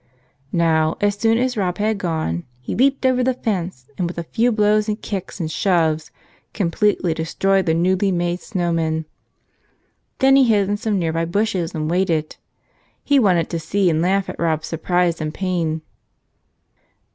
Now, as soon as Rob had gone, he leaped over the fence and with a few 22 Grandfather s Warning blows and kicks and shoves completely destroyed the newly made snow man. Then he hid in some nearby bushes and waited. He wanted to see and laugh at Rob's surprise and pain.